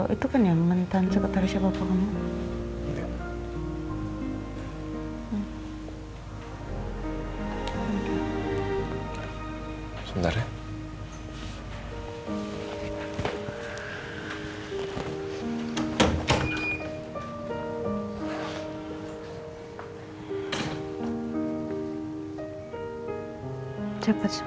itu kan yang mentan coklat tarsya bapaknya